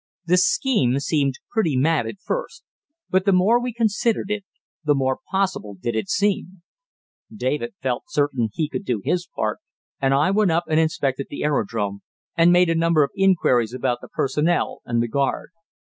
The scheme seemed pretty mad at first, but the more we considered it the more possible did it seem. David felt certain he could do his part, and I went up and inspected the aerodrome, and made a number of inquiries about the personnel and the guard.